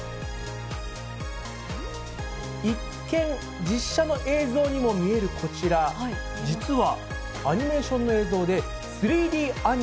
一見、実写の映像にも見えるこちら、実はアニメーションの映像で、え？